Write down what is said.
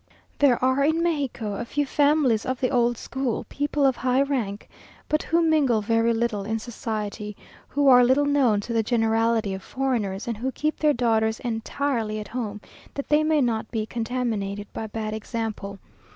There are in Mexico a few families of the old school, people of high rank, but who mingle very little in society; who are little known to the generality of foreigners, and who keep their daughters entirely at home, that they may not be contaminated by bad example.